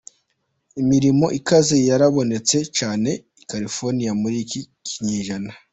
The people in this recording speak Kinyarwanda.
Imiriro ikaze yarabonetse cane i California muri iki kinjana.